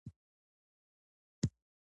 کارګرانو له مزد پرته په توکو کار کړی دی